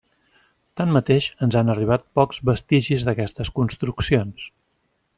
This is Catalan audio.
Tanmateix, ens han arribat pocs vestigis d'aquestes construccions.